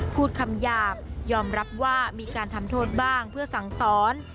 พูดคำหยาบยอมรับว่ามีการทำโทษบ้างเพื่อสั่งสอน